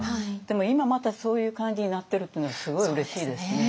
でも今またそういう感じになってるっていうのはすごいうれしいですね。